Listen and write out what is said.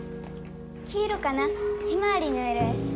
黄色かなひまわりの色やし。